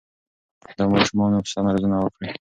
د ماشومانو سمه روزنه وکړئ.